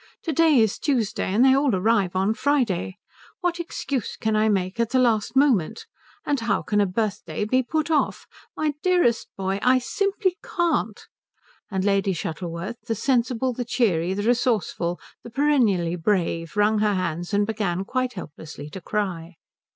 To day is Tuesday, and they all arrive on Friday. What excuse can I make at the last moment? And how can a birthday be put off? My dearest boy, I simply can't." And Lady Shuttleworth, the sensible, the cheery, the resourceful, the perennially brave, wrung her hands and began quite helplessly to cry.